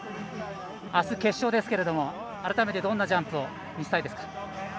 あす、決勝ですけれども改めて、どんなジャンプを見せたいですか。